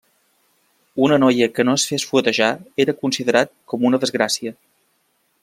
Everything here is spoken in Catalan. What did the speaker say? Una noia que no es fes fuetejar era considerat com una desgràcia.